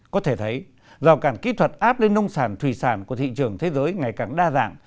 có thể thấy rào cản kỹ thuật áp lên nông sản thủy sản của thị trường thế giới ngày càng đa dạng